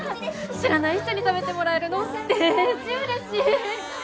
知らない人に食べてもらえるのでーじうれしい。